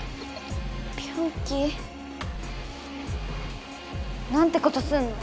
ピョンキー。なんてことすんの。